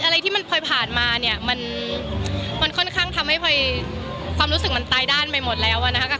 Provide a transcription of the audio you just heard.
อะไรที่มันพลอยผ่านมาเนี่ยมันค่อนข้างทำให้พลอยความรู้สึกมันตายด้านไปหมดแล้วอะนะคะ